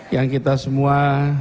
yang kita semua